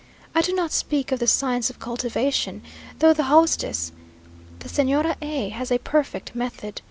I do not speak of the science or cultivation, though the hostess, the Señora A , has a perfect method.